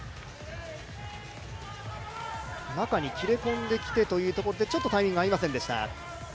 中に切れ込んできてというところでちょっとタイミングが合いませんでした。